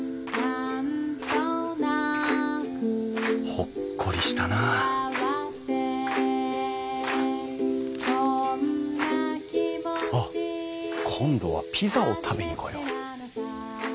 ほっこりしたなあっ今度はピザを食べに来よう。